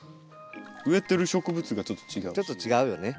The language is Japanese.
植えてる植物がちょっと違いますね。